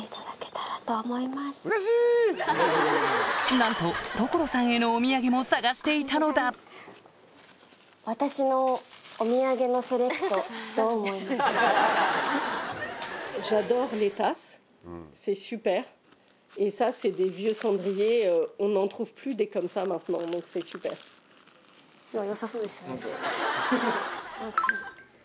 なんと所さんへのお土産も探していたのだあっ。